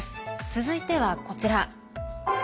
続いてはこちら。